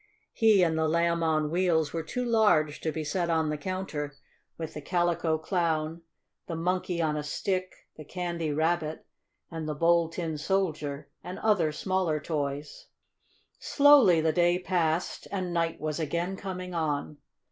He and the Lamb on Wheels were too large to be set on the counter with the Calico Clown, the Monkey on a Stick, the Candy Rabbit and the Bold Tin Soldier and other smaller toys. Slowly the day passed, and night was again coming on.